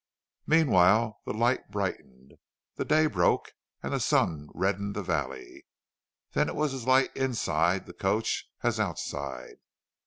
Meanwhile the light brightened, the day broke, and the sun reddened the valley. Then it was as light inside the coach as outside.